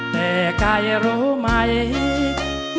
แต่ใครรู้ไหม